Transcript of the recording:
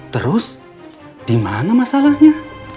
terus dimana masalahnya